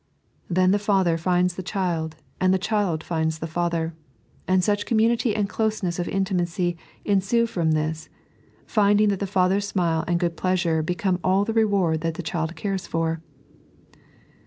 Then the Father finds the child, and the child finds the Father ; and such community and closeness of intimacy ensue from this, finding that the Father's smile and good pleasure beccone all the reward that the child cares for.